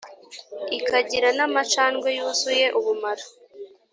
ikagira n’amacandwe yuzuye ubumara